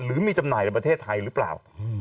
หรือมีจำหน่ายในประเทศไทยหรือเปล่า